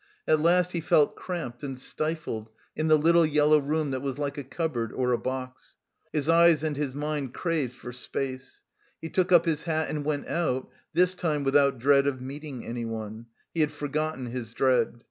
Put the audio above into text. At last he felt cramped and stifled in the little yellow room that was like a cupboard or a box. His eyes and his mind craved for space. He took up his hat and went out, this time without dread of meeting anyone; he had forgotten his dread.